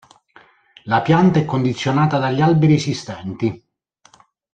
La pianta è condizionata dagli alberi esistenti.